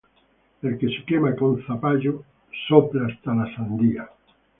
El que se quema con zapallo, sopla hasta la sandía